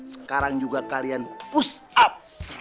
sekarang juga kalian push up seratus kali